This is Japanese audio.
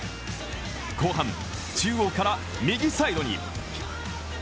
後半、中央から右サイドに。